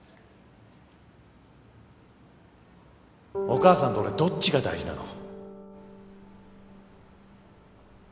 お母さんと俺どっちが大事なの？